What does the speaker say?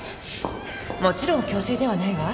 もちろん強制ではないわ